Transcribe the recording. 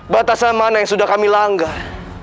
batasan mana yang sudah kami langgar